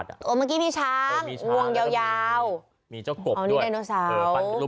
รูปกลบด้วย